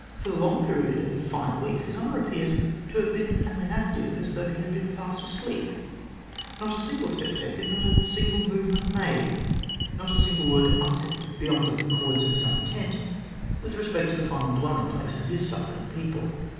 For the long period of five weeks, His Honour appears to have been as inactive as though he had been fast asleep. Not a single step taken ; not a single movement made ; not a single word uttered THE FOUNDING OF THE COLONY 47 beyond the cords of his own tent with respect to the final dwelling place of his suffering people.